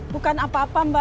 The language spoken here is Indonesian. bukan apa apa mbak